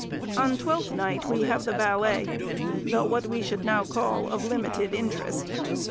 On Twelfth Night we have the ballet, though what we should call now of limited interest.